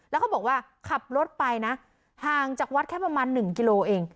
แล้วเขาบอกว่าขับรถไปนะห่างจากวัดแค่ประมาณ๑กิโลเอง